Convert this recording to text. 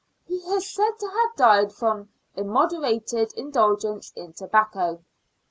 He is said to have died from an immoderate indulgence in tobacco.